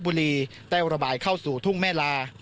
บุรีได้ระบายเข้าสู่ทุ่งแม่ลา